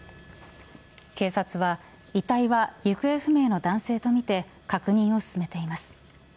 警察は遺体は行方不明の男性とみて確認を進めています。